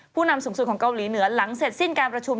นำสูงสุดของเกาหลีเหนือหลังเสร็จสิ้นการประชุม